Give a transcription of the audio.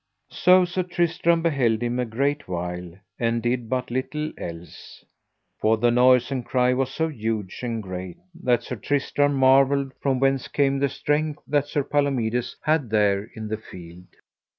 So Sir Tristram beheld him a great while and did but little else, for the noise and cry was so huge and great that Sir Tristram marvelled from whence came the strength that Sir Palomides had there in the field.